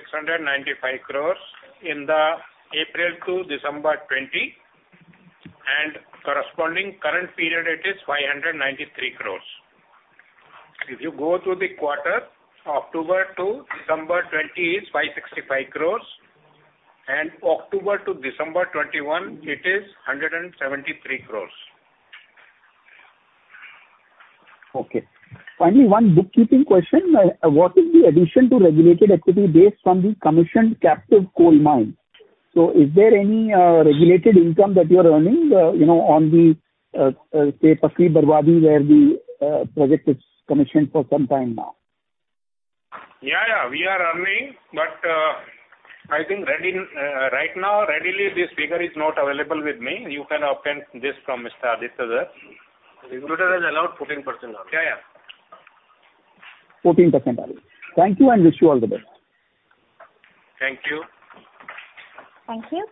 crores in the April to December 2020. Corresponding current period, it is 593 crores. If you go through the quarter, October to December 2020 is 565 crores, and October to December 2021, it is 173 crores. Okay. Finally, one bookkeeping question. What is the addition to regulated equity based on the commissioned captive coal mine? Is there any regulated income that you're earning on, say, Pakri-Barwadih, where the project is commissioned for some time now? Yeah, yeah. We are earning, but I think right now this figure is not readily available with me. You can obtain this from Mr. Aditya Dar. Regulator has allowed 14% ROE. Yeah, yeah. 14% ROE. Thank you and wish you all the best. Thank you. Thank you.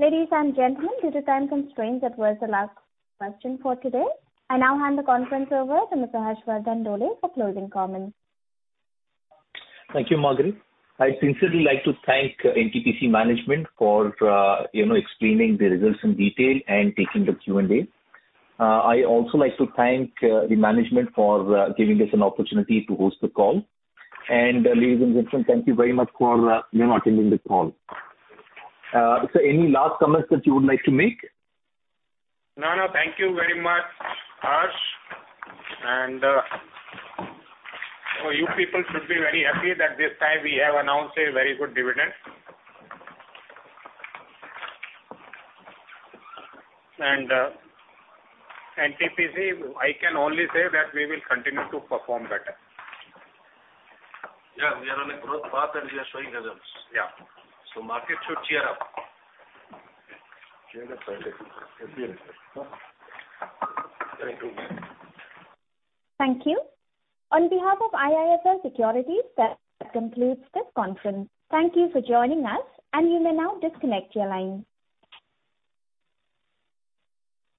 Ladies and gentlemen, due to time constraints, that was the last question for today. I now hand the conference over to Mr. Harshvardhan Dole for closing comments. Thank you, Margaret. I'd sincerely like to thank NTPC management for, you know, explaining the results in detail and taking the Q&A. I also like to thank the management for giving us an opportunity to host the call. Ladies and gentlemen, thank you very much for, you know, attending this call. Sir, any last comments that you would like to make? No, no. Thank you very much, Harsh. You people should be very happy that this time we have announced a very good dividend. NTPC, I can only say that we will continue to perform better. Yeah. We are on a growth path, and we are showing results. Yeah. Market should cheer up. Cheer up. Thank you. Thank you. On behalf of IIFL Securities, that concludes this conference. Thank you for joining us, and you may now disconnect your line.